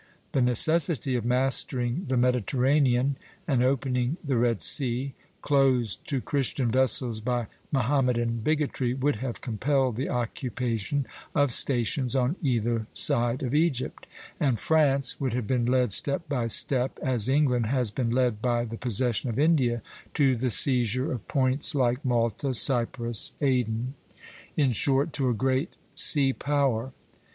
The necessity of mastering the Mediterranean and opening the Red Sea, closed to Christian vessels by Mohammedan bigotry, would have compelled the occupation of stations on either side of Egypt; and France would have been led step by step, as England has been led by the possession of India, to the seizure of points like Malta, Cyprus, Aden, in short, to a great sea power.